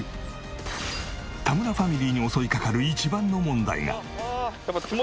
田村ファミリーに襲いかかる一番の問題が。